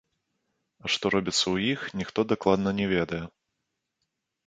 А што робіцца ў іх, ніхто дакладна не ведае.